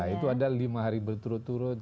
itu ada lima hari berturut turut